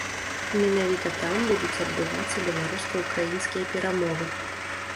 Менавіта там будуць адбывацца беларуска-украінскія перамовы.